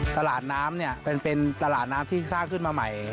ตลาดน้ำเนี่ยเป็นตลาดน้ำที่สร้างขึ้นมาใหม่